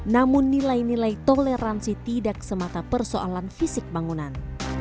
namun nilai nilai toleransi tidak semata persoalan fisik bangunan